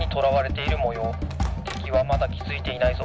てきはまだきづいていないぞ。